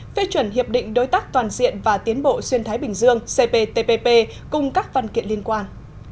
phê chuẩn hiệp định đối tác toàn diện và tiến bộ xuyên thái bình dương cptpp cùng các văn kiện liên quan